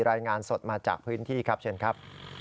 รายงานสดมาจากพื้นที่ครับเชิญครับ